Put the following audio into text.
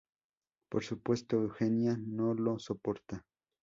Por supuesto, Eugenia no la soporta.